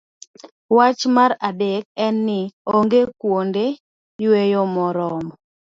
Wach mar adek en ni, onge kuonde yweyo moromo.